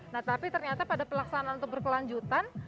nah tapi ternyata pada pelaksanaan untuk berkelanjutan